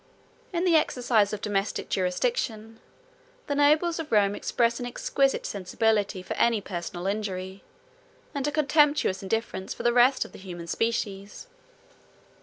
In the exercise of domestic jurisdiction, the nobles of Rome express an exquisite sensibility for any personal injury, and a contemptuous indifference for the rest of the human species.